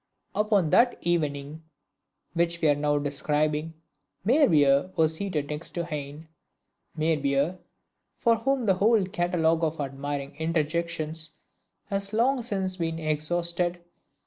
Upon that evening which we are now describing, Meyerbeer was seated next to Heine; Meyerbeer, for whom the whole catalogue of admiring interjections has long since been exhausted!